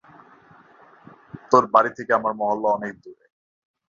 তোর বাড়ি থেকে আমার মহল্লা অনেক দূরে।